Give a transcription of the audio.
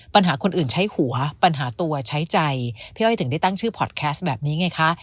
ปัญหาคนอื่นใช้หัวปัญหาตัวใช้ใจพี่อ้อยถึงได้ตั้งชื่อพอร์ตแคสต์แบบนี้ไงคะ